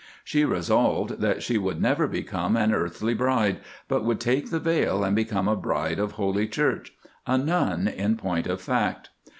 She resolved that she would never become an earthly bride, but would take the veil and become a bride of Holy Church—a nun, in point of fact.